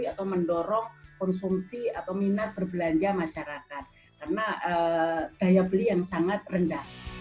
pembangunan dari program diskon ini akan mendapatkan keuntungan yang sangat besar